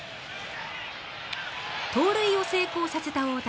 盗塁を成功させた大谷。